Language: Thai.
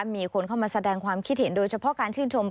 มีคนเข้ามาแสดงความคิดเห็นโดยเฉพาะการชื่นชม